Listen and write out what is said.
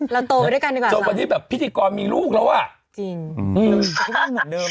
ข่าวไปด้วยกันเนอะเราโตเป็นที่พิธีกรมีลูกแล้วอะ